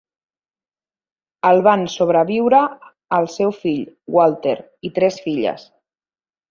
El van sobreviure el seu fill, Walter, i tres filles.